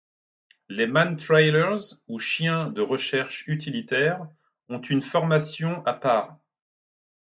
Les mantrailers ou chiens de recherche utilitaire ont une formation à part.